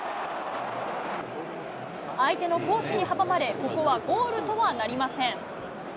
相手の好守に阻まれ、ここはゴールとはなりません。